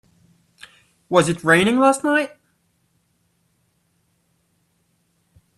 Was it raining last night?